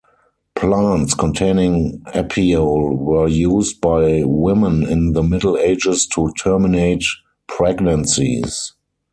Plants containing apiole were used by women in the Middle Ages to terminate pregnancies.